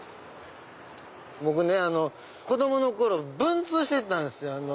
僕子供の頃文通してたんすよ。